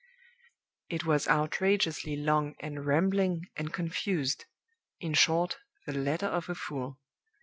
"It was outrageously long, and rambling, and confused; in short, the letter of a fool.